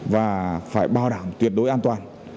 và phải bảo đảm tuyệt đối an toàn